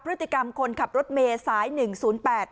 พฤติกรรมคนขับรถเมย์สายหนึ่งศูนย์แปด